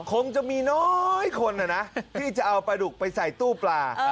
คงจะมีน้อยคนที่จะเอาปลาดุกไปใส่ตู้ปลา